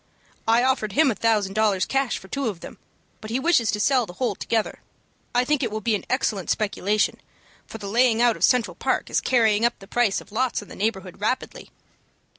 I offered him a thousand dollars cash for two of them, but he wishes to sell the whole together. I think it will be an excellent speculation, for the laying out of Central Park is carrying up the price of lots in the neighborhood rapidly."